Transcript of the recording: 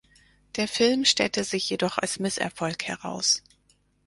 Der Film stellte sich jedoch als Misserfolg heraus.